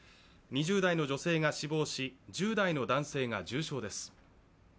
２０代の女性が死亡し１０代の男性が重傷です。